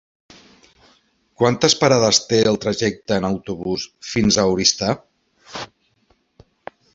Quantes parades té el trajecte en autobús fins a Oristà?